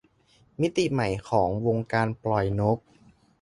มิติใหม่ของวงการปล่อยนก !